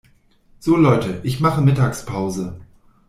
So Leute, ich mache Mittagspause.